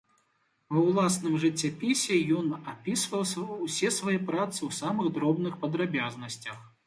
Ва ўласным жыццяпісе ён апісваў усе свае працы ў самых дробных падрабязнасцях.